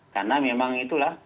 karena memang itulah